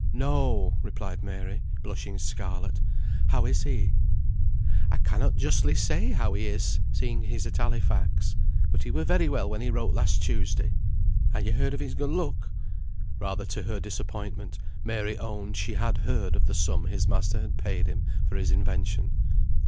"No," replied Mary, blushing scarlet. "How is he?" "I cannot justly say how he is, seeing he's at Halifax; but he were very well when he wrote last Tuesday. Han ye heard o' his good luck?" Rather to her disappointment, Mary owned she had heard of the sum his master had paid him for his invention.